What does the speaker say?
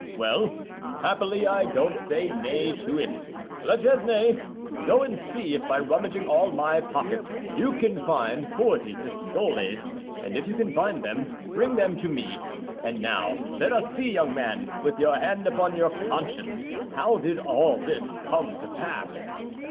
Well, happily, I don't say nay to it. La Chesnaye, go and see if by rummaging all my pockets you can find forty pistoles; and if you can find them, bring them to me. And now let us see, young man, with your hand upon your conscience, how did all this come to pass?"